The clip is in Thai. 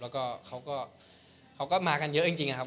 แล้วก็เขาก็มากันเยอะจริงนะครับ